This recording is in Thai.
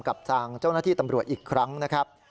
กับทางเจ้าหน้าที่ตำรวจอีกครั้งนะครับ